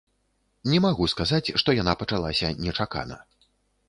Не магу сказаць, што яна пачалася нечакана.